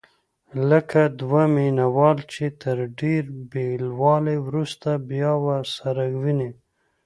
لکه دوه مینه وال چې تر ډېر بېلوالي وروسته بیا سره ویني.